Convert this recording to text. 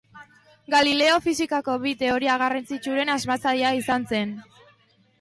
Galileo fisikako bi teoria garrantzitsuren asmatzailea izan zen.